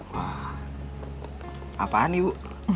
wah apaan ibu